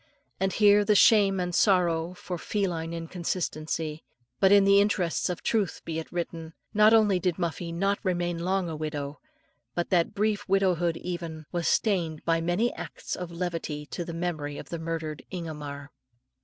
And here with shame and sorrow for female inconstancy, but in the interests of truth be it written, not only did Muffie not remain long a widow, but that brief widowhood even, was stained by many acts of levity to the memory of the murdered Ingomar.